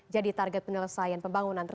jadi target penyelesaian pembangunan